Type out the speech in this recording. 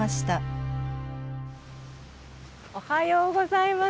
おはようございます。